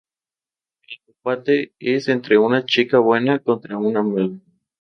El combate es entre una chica buena contra una mala.